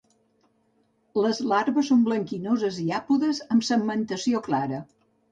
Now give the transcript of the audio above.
Les larves són blanquinoses i àpodes, amb segmentació clara.